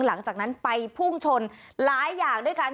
หลังจากนั้นไปพุ่งชนหลายอย่างด้วยกัน